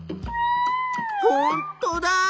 ほんとだ！